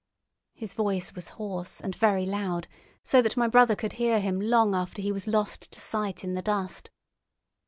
His voice was hoarse and very loud so that my brother could hear him long after he was lost to sight in the dust.